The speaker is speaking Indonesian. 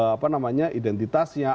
apa namanya identitasnya